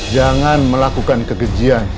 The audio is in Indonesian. jangan melakukan kekejian